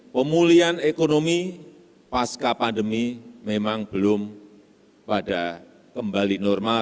pemulihan ekonomi pasca pandemi memang belum pada kembali normal